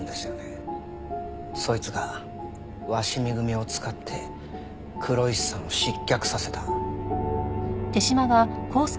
そいつが鷲見組を使って黒石さんを失脚させた。